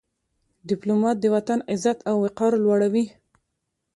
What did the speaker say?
ډيپلومات د وطن عزت او وقار لوړوي.